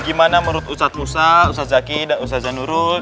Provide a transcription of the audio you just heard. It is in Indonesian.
gimana menurut ustadz musa ustadz zaky dan ustadz zanurul